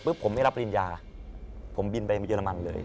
ผมไม่รับปริญญาผมบินไปเรมันเลย